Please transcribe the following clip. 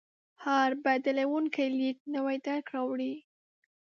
هر بدلېدونکی لید نوی درک راوړي.